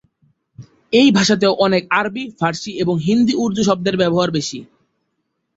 এই ভাষাতেও অনেক আরবি, ফার্সি এবং হিন্দি-উর্দু শব্দের ব্যবহার বেশি।